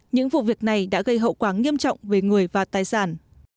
những vụ việc này đã gây hậu quả nghiêm trọng về người và tài sản